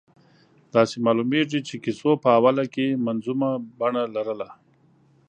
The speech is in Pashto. داسې معلومېږي چې کیسو په اوله کې منظومه بڼه لرله.